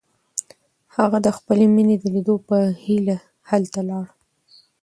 هغه د خپلې مینې د لیدو په هیله هلته لاړ.